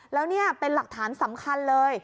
แล้วนี่เป็นหลักฐานสำคัญเลย